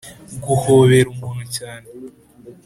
guhobera umuntu cyane.